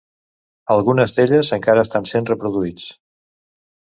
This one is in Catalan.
Algunes d'elles encara estan sent reproduïts.